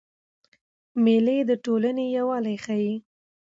مېلې د ټولني یووالی ښيي.